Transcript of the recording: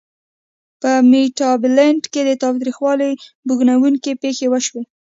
په میتابالنډ کې د تاوتریخوالي بوږنوونکې پېښې وشوې.